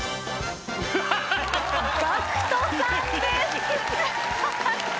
ＧＡＣＫＴさんです。